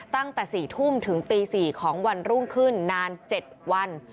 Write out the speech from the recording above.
ตั้งแต่๔ทุ่มถึงตี๔ของวันรุ่งขึ้นนาน๗วัน